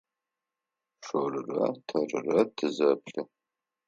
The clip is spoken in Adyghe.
Шъорырэ тэрырэ тызэплъы.